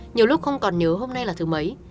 nhiều lúc không còn nhớ hôm nay là thứ mấy